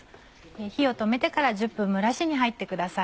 火を止めてから１０分蒸らしに入ってください。